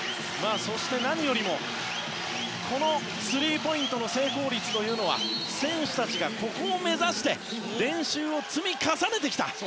そして、何よりもこのスリーポイントの成功率というのは選手たちがここを目指して練習を積み重ねてきた。